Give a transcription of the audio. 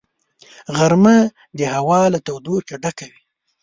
غرمه د هوا له تودوخې ډکه وي